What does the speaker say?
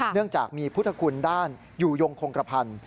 เนื่องจากมีพุทธคุณด้านอยู่ยงคงกระพันธ์